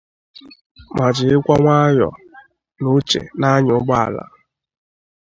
ma jirikwa nwayọ na uchè na-anyà ụgbọala.